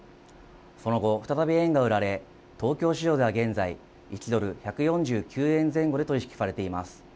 その後、再び円が売られ東京市場では現在１ドル１４９円前後で取り引きされています。